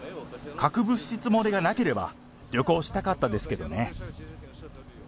核物質漏れがなければ、旅行したかったですけどね。